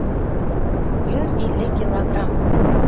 Йөҙ илле килограмм!